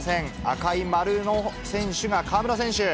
赤い丸の選手が河村選手。